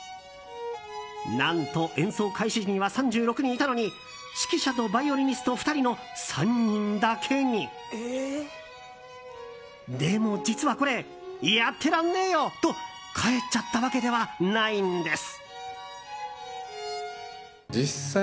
何と、演奏開始時には３６人いたのに指揮者とバイオリニスト２人の３人だけに。でも実はこれやってらんねーよ！と帰っちゃったわけではないんです。